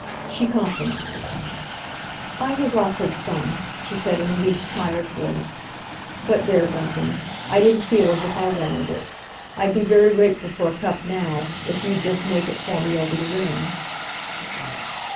She compromised. "I was offered some," she said, in a weak, tired voice. "But there, Bunting, I didn't feel as if I wanted it. I'd be very grateful for a cup now—if you'd just make it for me over the ring."